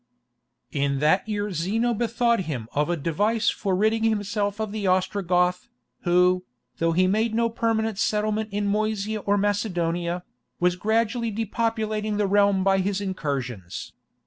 In that year Zeno bethought him of a device for ridding himself of the Ostrogoth, who, though he made no permanent settlement in Moesia or Macedonia, was gradually depopulating the realm by his incursions.